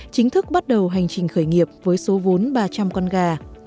chính thức bắt đầu hành trình khởi nghiệp với số vốn ba trăm linh con gà